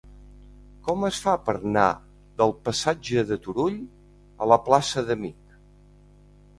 Com es fa per anar del passatge de Turull a la plaça d'Amich?